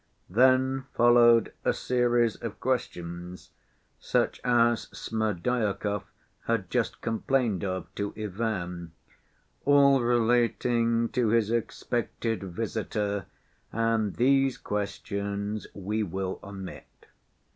Then followed a series of questions such as Smerdyakov had just complained of to Ivan, all relating to his expected visitor, and these questions we will omit.